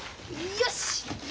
よし。